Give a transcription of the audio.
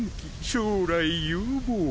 将来有望。